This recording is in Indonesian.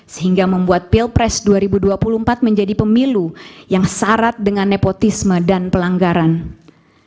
sehingga membuat pilpres dua ribu dua puluh empat menjadi pemilu yang syarat dengan nepotisme dan pelanggaran